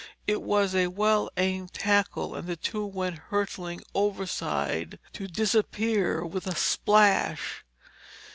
It was a well aimed tackle and the two went hurtling overside to disappear with a splash.